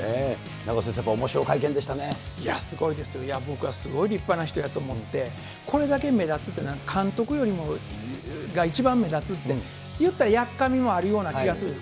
名越先生、そうですね、僕はすごい立派な人やと思って、これだけ目立つっていうのは監督よりも一番目立つって、言ったら、やっかみもあると思うんです。